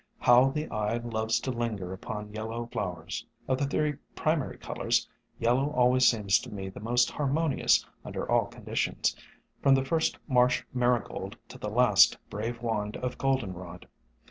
How the eye loves to linger upon yellow flow ers! Of the three primary colors, yellow always seems to me the most harmonious under all condi tions, from the first Marsh Marigold to the last brave wand of Goldenrod.